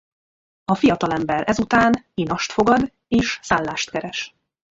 A fiatalember ezután inast fogad és szállást keres.